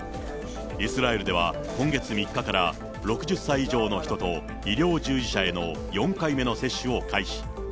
イスラエルでは今月３日から、６０歳以上の人と医療従事者への４回目の接種を開始。